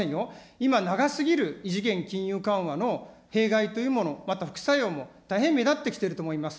今、長すぎる異次元金融緩和の弊害というもの、また副作用も大変目立ってきてると思います。